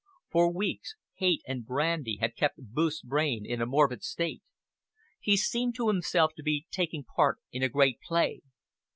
For weeks hate and brandy had kept Booth's brain in a morbid state. He seemed to himself to be taking part in a great play.